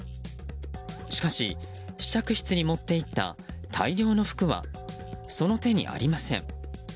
しかし、試着室に持っていった大量の服はその手にありません。